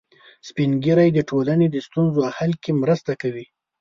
سپین ږیری د ټولنې د ستونزو حل کې مرسته کوي